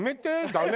ダメ！